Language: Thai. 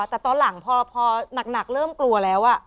แต่ตอนหลังพอหนักเริ่มกลัวแล้ว